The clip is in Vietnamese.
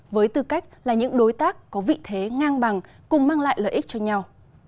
với tư cách là những đối tác có vị thế ngang bằng cùng mang lại lợi ích cho nhau